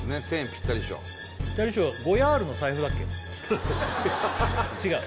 ピッタリ賞ゴヤールの財布だっけ違う？